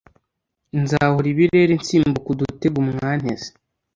nzahora ibirere nsimbuka udutego mwanteze